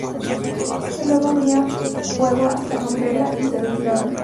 Luego abrían fuego hasta romperla, y se retiraban.